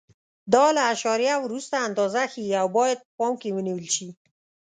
دا له اعشاریه وروسته اندازه ښیي او باید په پام کې ونیول شي.